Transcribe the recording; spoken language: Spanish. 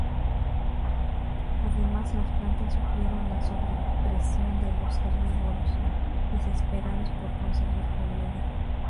Además las plantas sufrieron la sobrepresión de los herbívoros, desesperados por conseguir comida.